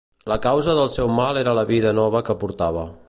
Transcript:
La causa del seu mal era la vida nova que portava